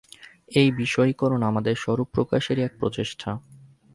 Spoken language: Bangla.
এই বিষয়ীকরণ আমাদের স্বরূপ-প্রকাশেরই এক প্রচেষ্টা।